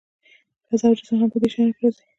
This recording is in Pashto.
فضا او جسم هم په همدې شیانو کې راځي.